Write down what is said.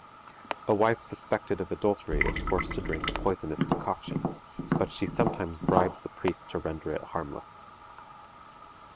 A wife suspected of adultery is forced to drink a poisonous decoction, but she sometimes bribes the priest to render it harmless.